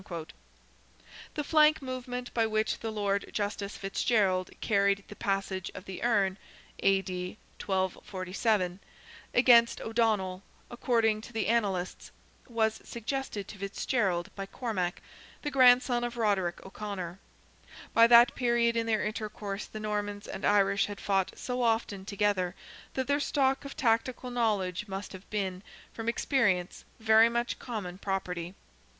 The flank movement by which the Lord Justice Fitzgerald carried the passage of the Erne (A.D. 1247) against O'Donnell, according to the Annalists, was suggested to Fitzgerald by Cormac, the grandson of Roderick O'Conor. By that period in their intercourse the Normans and Irish had fought so often together that their stock of tactical knowledge must have been, from experience, very much common property.